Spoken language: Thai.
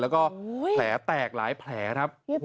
แล้วก็แผลแตกหลายแผลครับ